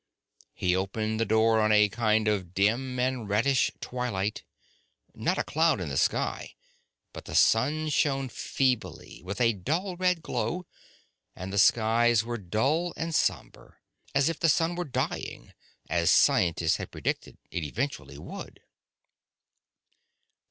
He opened the door on a kind of dim and reddish twilight. Not a cloud hung in the sky, but the sun shone feebly with a dull red glow, and the skies were dull and somber, as if the sun were dying as scientists had predicted it eventually would.